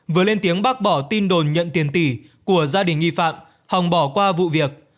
vừa lên tiếng bác bỏ tin đồn nhận tiền tỷ của gia đình nghi phạm hồng bỏ qua vụ việc